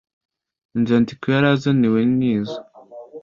inzandiko yari azaniwe n izo